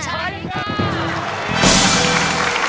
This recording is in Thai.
ใช้ค่ะ